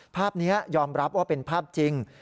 ภาพนี้ยอมรับว่าเป็นภาพจริง